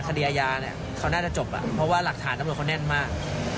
คดีอาญาเนี่ยเขาน่าจะจบเพราะว่าหลักฐานตำรวจเขาแน่นมาก